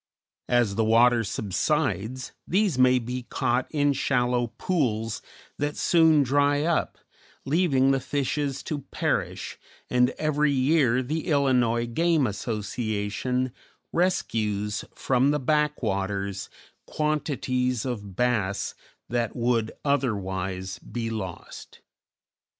As the water subsides these may be caught in shallow pools that soon dry up, leaving the fishes to perish, and every year the Illinois game association rescues from the "back waters" quantities of bass that would otherwise be lost.